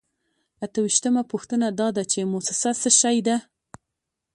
اته ویشتمه پوښتنه دا ده چې موسسه څه شی ده.